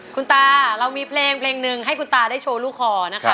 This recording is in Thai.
คุณตาเรามีเพลงให้คุณตาได้โชว์ลูกคอนะคะ